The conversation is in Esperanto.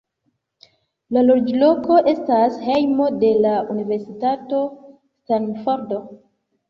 La loĝloko estas hejmo de la Universitato Stanford.